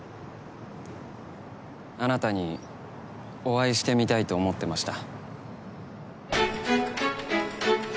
あなたにお会いしてみたいと思ってました。